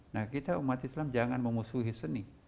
nah kita umat islam jangan memusuhi seni